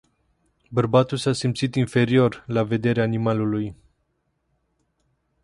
Bărbatul s-a simțit inferior la vederea animalului.